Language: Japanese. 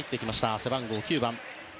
背番号９番。